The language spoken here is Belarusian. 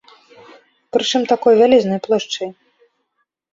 Прычым такой вялізнай плошчай.